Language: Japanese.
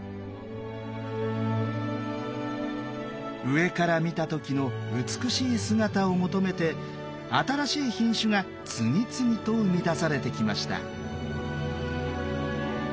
上から見た時の美しい姿を求めて新しい品種が次々と生み出されてきました。